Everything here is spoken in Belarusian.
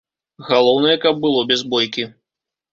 Галоўнае, каб было без бойкі.